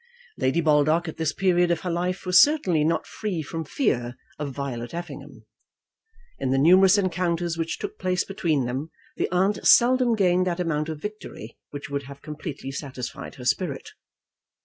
Lady Baldock at this period of her life was certainly not free from fear of Violet Effingham. In the numerous encounters which took place between them, the aunt seldom gained that amount of victory which would have completely satisfied her spirit.